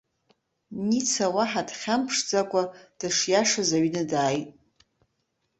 Ница уаҳа дхьамԥшӡакәа дышиашаз аҩны дааит.